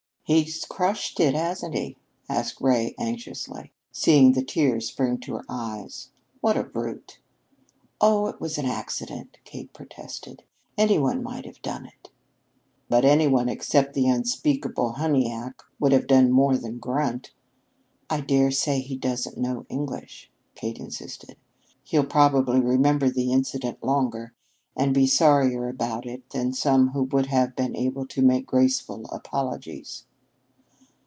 "He's crushed it, hasn't he?" asked Ray anxiously, seeing the tears spring to her eyes. "What a brute!" "Oh, it was an accident," Kate protested. "Any one might have done it." "But anyone except that unspeakable Huniack would have done more than grunt!" "I dare say he doesn't know English," Kate insisted. "He'll probably remember the incident longer and be sorrier about it than some who would have been able to make graceful apologies."